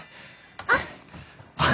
あっ！